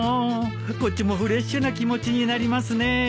こっちもフレッシュな気持ちになりますねえ。